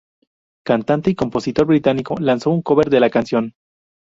Cantante y compositor británico lanzó un cover de la canción.